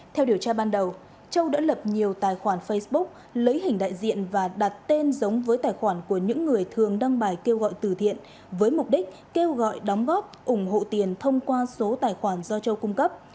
theo điều tra ban đầu châu đã lập nhiều tài khoản facebook lấy hình đại diện và đặt tên giống với tài khoản của những người thường đăng bài kêu gọi từ thiện với mục đích kêu gọi đóng góp ủng hộ tiền thông qua số tài khoản do châu cung cấp